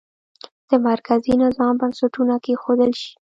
د مرکزي نظام بنسټونه کېښودل شي.